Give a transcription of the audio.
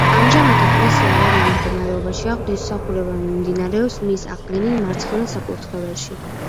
ამჟამად ეკლესია ავარიულ მდგომარეობაშია, ღვთისმსახურება მიმდინარეობს მის აღდგენილ მარცხენა საკურთხეველში.